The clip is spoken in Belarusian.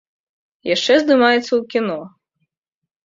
Яшчэ здымаецца ў кіно.